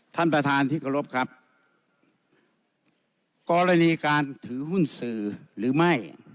ท่านประธานที่เคารพครับกรณีการถือหุ้นสื่อหรือไม่